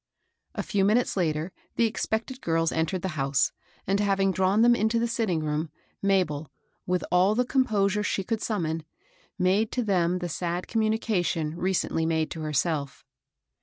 A few minutes later, the expected girls entered the house, and having drawn them into the sitting room, Mabel, with all the composure she could summon, made to them the sad communication recently made to herself.